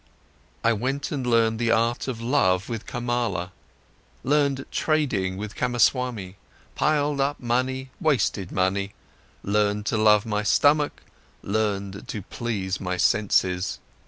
I went and learned the art of love with Kamala, learned trading with Kamaswami, piled up money, wasted money, learned to love my stomach, learned to please my senses.